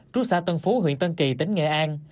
trú xã tân phú huyện tân kỳ tỉnh nghệ an